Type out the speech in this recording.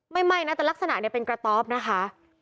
ไหม้นะแต่ลักษณะเนี่ยเป็นกระต๊อบนะคะ